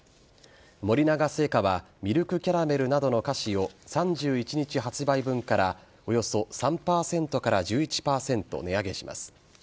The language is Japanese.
森永製菓はミルクキャラメルなどの菓子を３１日発売分からおよそ３％から１１％値上げします。